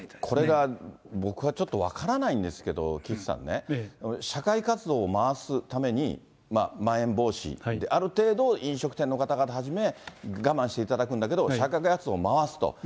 これが、僕はちょっと分からないんですけど、岸さんね、社会活動を回すために、まん延防止で、ある程度、飲食店の方々はじめ、我慢していただくんだけど社会活動を回すと。